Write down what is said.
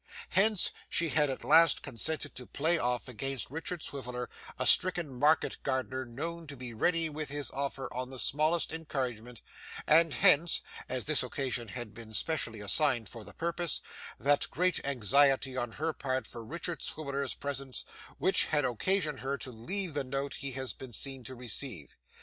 Hence she had at last consented to play off against Richard Swiveller a stricken market gardner known to be ready with his offer on the smallest encouragement, and hence as this occasion had been specially assigned for the purpose that great anxiety on her part for Richard Swiveller's presence which had occasioned her to leave the note he has been seen to receive.